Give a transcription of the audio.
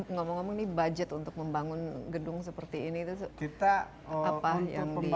ngomong ngomong ini budget untuk membangun gedung seperti ini itu apa yang di